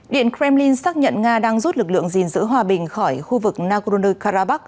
điện kremlin xác nhận nga đang rút lực lượng gìn giữ hòa bình khỏi khu vực nagorno karabakh